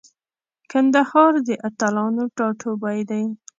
کندهار د اتلانو ټاټوبی دی.